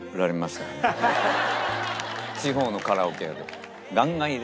地方のカラオケ屋で。